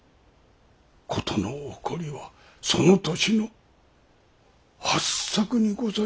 事の起こりはその年の八朔にございました。